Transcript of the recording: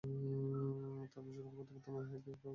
তারপর শুরু হয় প্রত্যাবর্তন এবং ইহাই ত্যাগ বা বৈরাগ্য।